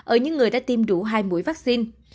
ở những người đã tiêm đủ hai mũi vaccine